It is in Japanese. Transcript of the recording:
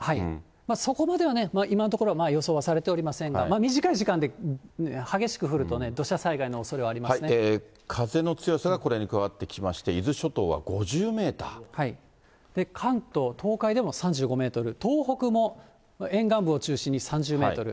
そこまでは今のところ、予想はされておりませんが、短い時間で激しく降るとね、風の強さがこれに加わってきまして、関東、東海でも３５メートル、東北も沿岸部を中心に３０メートル。